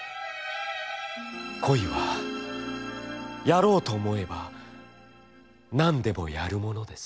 「恋はやろうと思えばなんでもやるものです」。